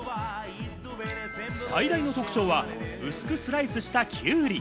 最大の特徴は薄くスライスしたきゅうり。